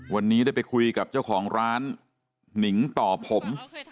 วันนี้ได้ไปคุยกับเจ้าของร้านหนิงต่อผม